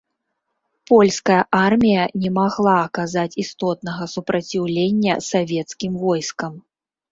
Польская армія не магла аказаць істотнага супраціўлення савецкім войскам.